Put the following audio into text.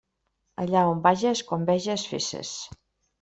Allà on vages, com veges faces.